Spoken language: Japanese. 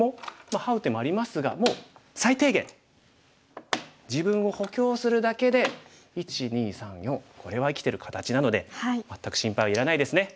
ハウ手もありますがもう最低限自分を補強するだけで１２３４これは生きてる形なので全く心配はいらないですね。